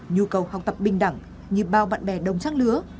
nhu cầu học tập bình đẳng như bao bạn bè đồng trang lứa